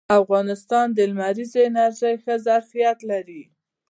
افغانستان د لمریزې انرژۍ ښه ظرفیت لري